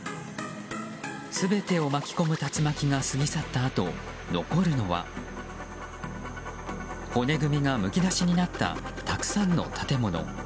全てをのみ込む竜巻が過ぎ去ったあと残るのは骨組みがむき出しになったたくさんの建物。